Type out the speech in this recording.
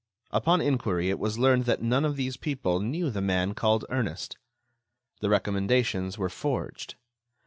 Upon inquiry, it was learned that none of these people knew the man called Ernest. The recommendations were forged.